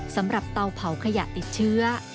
สำหรับเตาเผาขยะติดเชื้อ